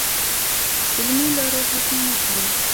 علمي لارو ختمې نه کړو.